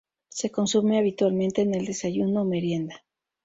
Se consume habitualmente en el desayuno o merienda.